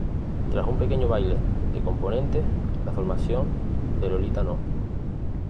Tras un pequeño baile de componentes, la formación de Lolita No.